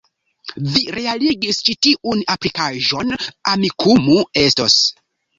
Vi realigis ĉi tiun aplikaĵon. Amikumu estos